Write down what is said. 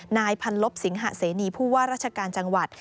นายพันลบสิงหะเสนีผู้ว่าราชการจังหวัด